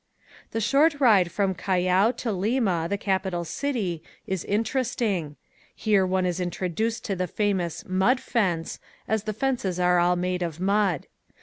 The short ride from Callao to Lima, the capital city, is interesting. Here one is introduced to the famous "mud fence," as the fences are all made of mud.